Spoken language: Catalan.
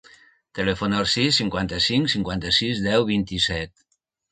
Telefona al sis, cinquanta-cinc, cinquanta-sis, deu, vint-i-set.